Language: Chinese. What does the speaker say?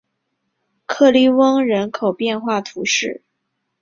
克利翁人口变化图示